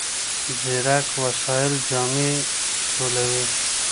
ځیرک وسایل جامې ټولوي.